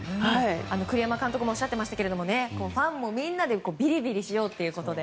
栗山監督もおっしゃってましたけどファンもみんなでびりびりしようということで。